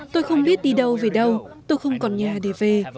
tôi không biết đi đâu về đâu tôi không còn nhà để về